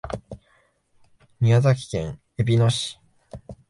宮崎県えびの市